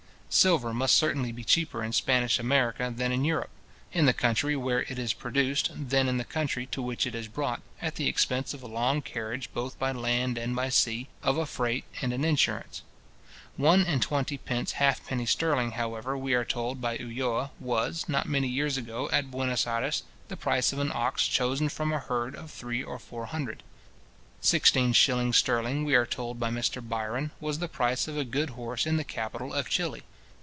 Silver must certainly be cheaper in Spanish America than in Europe; in the country where it is produced, than in the country to which it is brought, at the expense of a long carriage both by land and by sea, of a freight, and an insurance. One and twenty pence halfpenny sterling, however, we are told by Ulloa, was, not many years ago, at Buenos Ayres, the price of an ox chosen from a herd of three or four hundred. Sixteen shillings sterling, we are told by Mr Byron, was the price of a good horse in the capital of Chili.